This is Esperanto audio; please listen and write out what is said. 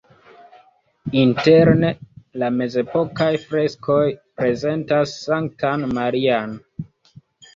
Interne la mezepokaj freskoj prezentas Sanktan Marian.